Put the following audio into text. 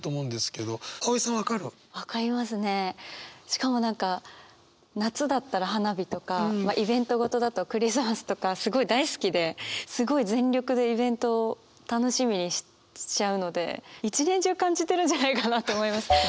しかも何か夏だったら花火とかイベント事だとクリスマスとかすごい大好きですごい全力でイベントを楽しみにしちゃうので１年中感じてるんじゃないかなと思います。